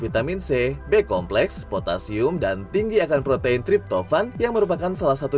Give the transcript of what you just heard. vitamin c b kompleks potasium dan tinggi akan protein triptofan yang merupakan salah satu